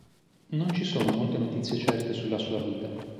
Non ci sono molte notizie certe sulla sua vita.